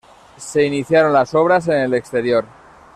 Se iniciaron las obras en el exterior.